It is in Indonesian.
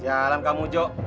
jalan kamu jok